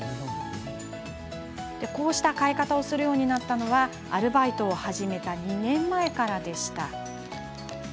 こうした買い方をするようになったのはアルバイトを始めた２年前からでした。